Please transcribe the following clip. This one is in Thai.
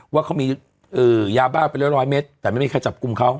ว่าเขามียาบ้าไปแล้วร้อยเมตรแต่ไม่มีใครจับกลุ่มเขา